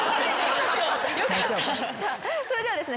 それではですね